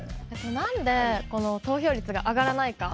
何でこの投票率が上がらないか。